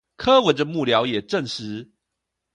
柯文哲幕僚也證實